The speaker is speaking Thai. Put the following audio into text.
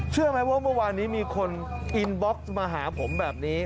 เชื่อไหมว่าเมื่อวานนี้มีคนอินบ็อกซ์มาหาผมแบบนี้